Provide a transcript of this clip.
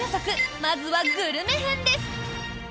まずはグルメ編です。